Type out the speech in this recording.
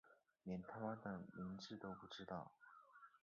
连他的名字都不知道